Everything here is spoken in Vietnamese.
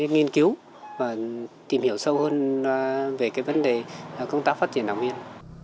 nghiên cứu và tìm hiểu sâu hơn về vấn đề công tác phát triển đảng viên